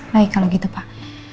baik kalau gitu pak